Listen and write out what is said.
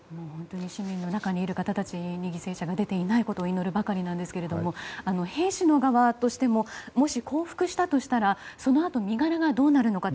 シェルターの中にいる人たちに犠牲が出ないことを祈るばかりなんですが兵士の側としてももし、降伏したとしたらそのあと身柄がどうなるのか。